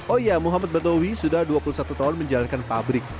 oh ya muhammad batowi sudah dua puluh satu tahun menjalankan pabrik